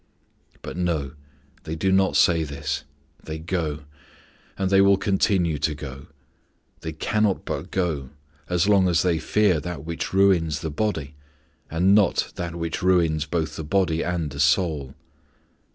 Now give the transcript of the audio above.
But no, they do not say this; they go, and they will continue to go; they cannot but go as long as they fear that which ruins the body and not that which ruins both the body and the soul.